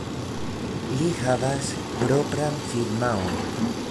Li havas propran firmaon.